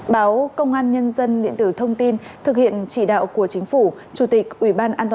báo công an nhân dân liện tử thông tin thực hiện trị đạo của chính phủ chủ tịch ubnd